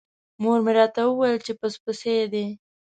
مور مې راته وویل چې پس پسي دی.